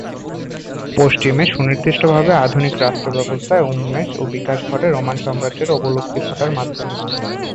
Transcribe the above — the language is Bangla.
পশ্চিমে সুনির্দিষ্টভাবে আধুনিক রাষ্ট্র ব্যবস্থার উন্মেষ ও বিকাশ ঘটে রোমান সাম্রাজ্যের অবলুপ্তি ঘটার মাধ্যমে।